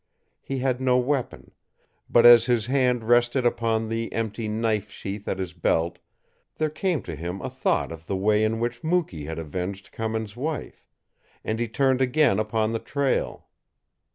He had no weapon; but as his hand rested upon the empty knife sheath at his belt, there came to him a thought of the way in which Mukee had avenged Cummins' wife, and he turned again upon the trail.